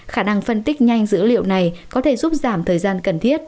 khả năng phân tích nhanh dữ liệu này có thể giúp giảm thời gian cần thiết